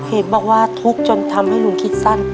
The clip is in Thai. เห็นบอกว่าทุกข์จนทำให้ลุงคิดสั้น